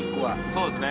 そうですね。